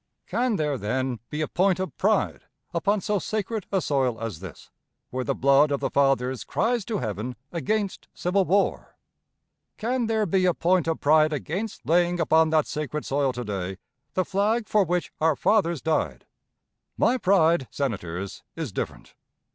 Can there, then, be a point of pride upon so sacred a soil as this, where the blood of the fathers cries to heaven against civil war? Can there be a point of pride against laying upon that sacred soil to day the flag for which our fathers died? My pride, Senators, is different.